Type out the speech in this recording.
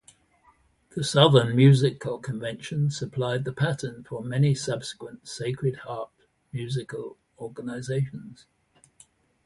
The Southern Musical Convention supplied the pattern for many subsequent Sacred Harp musical organizations.